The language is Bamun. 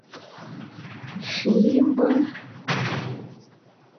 Fi mgbom !